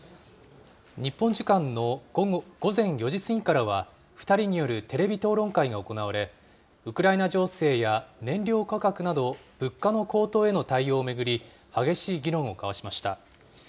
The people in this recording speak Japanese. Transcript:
日本時間の午前４時過ぎからは、２人によるテレビ討論会が行われ、ウクライナ情勢や燃料価格など物価の高騰への対応を巡り、激しい議論を交わしました。